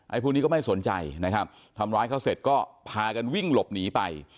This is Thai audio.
พวกนี้ก็ไม่สนใจนะครับทำร้ายเขาเสร็จก็พากันวิ่งหลบหนีไป